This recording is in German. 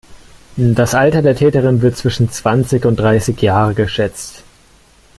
Das Alter der Täterin wird zwischen zwanzig und dreißig Jahre geschätzt.